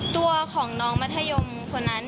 ตัวของน้องมัธยมคนนั้น